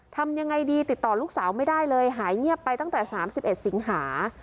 ทำยังไงดีติดต่อลูกสาวไม่ได้เลยหายเงียบไปตั้งแต่๓๑สิงหา